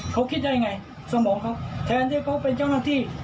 เขาคิดได้ไงสมองเขาแทนที่เขาเป็นเจ้าหน้าที่